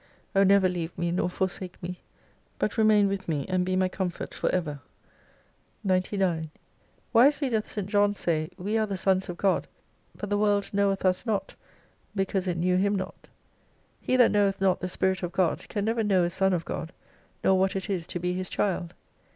O never leave me nor forsake me, but remain with me, and be my comfort forever ! 99 Wisely doth St. john say. We are the Sons oj God; hut the world knoweth us not because it knew Him not. He that knoweth not the Spirit of God, can never know a Son of God, nor what it is to be His child.